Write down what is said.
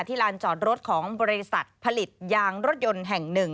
ลานจอดรถของบริษัทผลิตยางรถยนต์แห่ง๑